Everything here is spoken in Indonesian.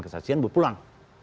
ke saksian berpulang